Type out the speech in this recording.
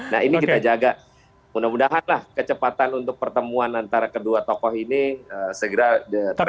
nah ini kita jaga mudah mudahan lah kecepatan untuk pertemuan antara kedua tokoh ini segera tercapai